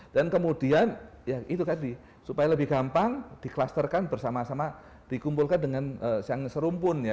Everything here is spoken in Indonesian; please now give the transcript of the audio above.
dan kemudian ya itu tadi supaya lebih gampang di klasterkan bersama sama dikumpulkan dengan yang serumpun ya